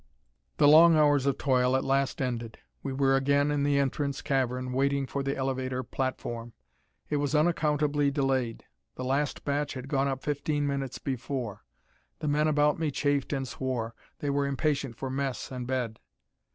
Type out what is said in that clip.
The long hours of toil at last ended. We were again in the entrance cavern, waiting for the elevator platform. It was unaccountably delayed: the last batch had gone up fifteen minutes before. The men about me chafed and swore. They were impatient for mess and bed.